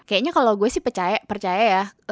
kayaknya kalau gue sih percaya ya